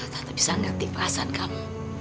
tante bisa ngerti perasaan kamu